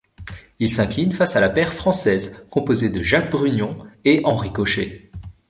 Ils s'inclinent face à la paire française composé de Jacques Brugnon et Henri Cochet.